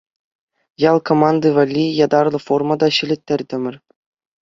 Ял команди валли ятарлӑ форма та ҫӗлеттертӗмӗр.